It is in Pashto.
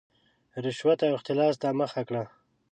رشوت او اختلاس ته مخه کړه.